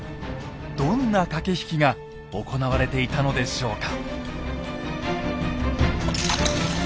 どんな駆け引きが行われていたのでしょうか。